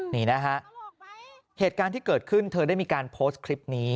นี่นะฮะเหตุการณ์ที่เกิดขึ้นเธอได้มีการโพสต์คลิปนี้